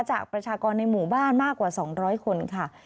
ประชากรในหมู่บ้านมากกว่า๒๐๐คนค่ะ